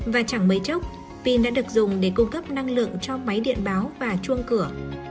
và chẳng mấy chốc pin đã được dùng để cung cấp năng lượng cho máy điện báo và chuông cửa